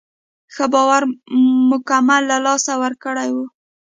هغه باور مکمل له لاسه ورکړی و.